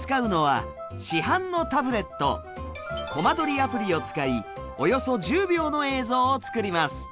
アプリを使いおよそ１０秒の映像を作ります。